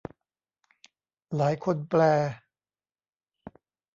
หลายคนแปล